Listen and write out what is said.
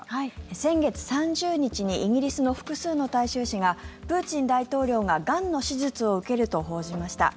先月３０日にイギリスの複数の大衆紙がプーチン大統領ががんの手術を受けると報じました。